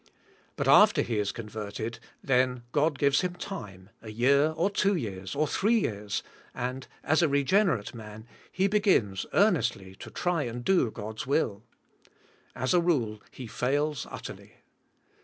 But after he is con verted, then God gives him time, a year, or two years, or three years, and, as a regenerate man, he begins earnestly to try and do God's will. As a rule, he fails utterly.